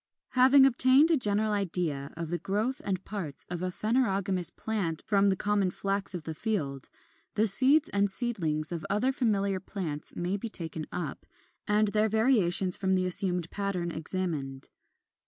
18. Having obtained a general idea of the growth and parts of a phanerogamous plant from the common Flax of the field, the seeds and seedlings of other familiar plants may be taken up, and their variations from the assumed pattern examined.